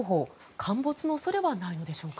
陥没の恐れはないんでしょうか。